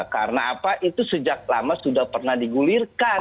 karena apa itu sejak lama sudah pernah digulirkan